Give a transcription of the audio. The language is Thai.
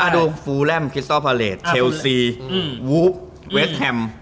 อาร์โดงฟูแรมคิสตอลพอเลสเชลซีวูปเวสแฮม